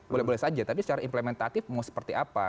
boleh boleh saja tapi secara implementatif mau seperti apa